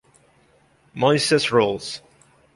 Moises Rules!